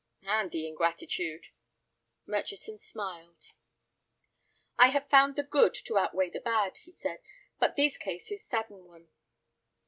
"And the ingratitude!" Murchison smiled. "I have found the good to outweigh the bad," he said; "but these cases sadden one."